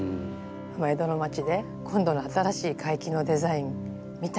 江戸の町で「今度の新しい甲斐絹のデザイン見た？」